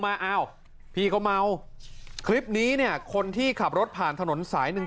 อ้าวพี่เขาเมาคลิปนี้เนี่ยคนที่ขับรถผ่านถนนสายหนึ่ง